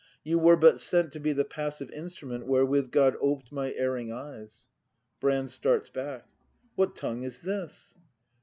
You were but sent To be the passive instrument Wherewith God oped my erring eyes. Brand. [Starts back.] What tongue is this